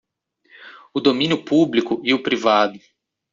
O domínio público e o privado.